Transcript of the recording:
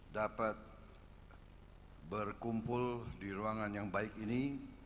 dapat berkumpul di ruangan yang baik ini